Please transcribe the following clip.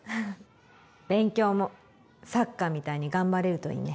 勉強もサッカーみたいに頑張れるといいね。